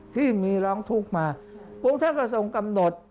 ที่มีร้องทุกข์มาองค์ท่านก็ทรงกำหนด